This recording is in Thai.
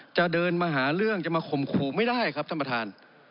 จะเดินมาหาเรื่องจะมาข่มขู่ไม่ได้ครับท่านประธาน